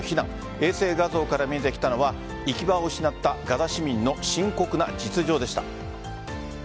衛星画像から見えてきたのは行き場を失ったガザ市民の深刻な実情でした。